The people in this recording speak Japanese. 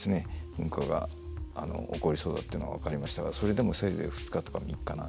噴火が起こりそうだっていうのが分かりましたがそれでもせいぜい２日とか３日なんですよ。